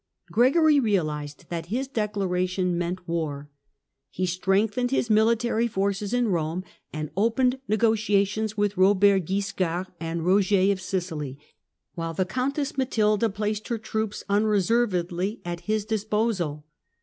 Gregory realized that his declaration meant war. He strengthened his military forces in Kome, and opened negotiations with Eobert Guiscard and Eoger of Sicily, while the Countess Matilda placed her troops unre servedly at his disposal.